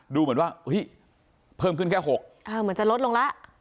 ดูเหมือนว่าเพิ่มขึ้นแค่๖เหมือนจะลดลงแล้ว